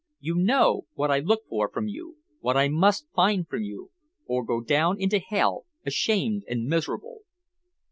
You know what I look for from you, what I must find from you or go down into hell, ashamed and miserable."